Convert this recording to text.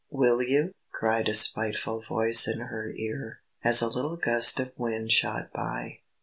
"Will you?" cried a spiteful voice in her ear, as a little gust of wind shot by.